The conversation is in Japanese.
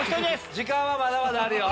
時間はまだまだあるよ。